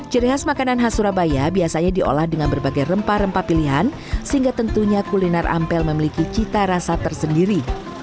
ciri khas makanan khas surabaya biasanya diolah dengan berbagai rempah rempah pilihan sehingga tentunya kuliner ampel memiliki cita rasa tersendiri